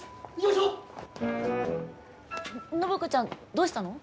暢子ちゃんどうしたの？